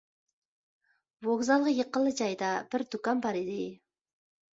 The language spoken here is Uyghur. ۋوگزالغا يېقىنلا جايدا بىر دۇكان بار ئىدى.